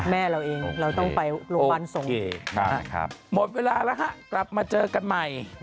แม่เราเองเราต้องไปโรงพันธ์ส่งโอเคครับหมดเวลาแล้วค่ะกลับมาเจอกันใหม่